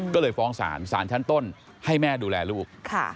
ก็เลยฟ้องศาลศาลชั้นต้นให้แม่ดูแลลูก